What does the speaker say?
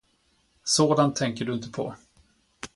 Sådant tänker du inte på.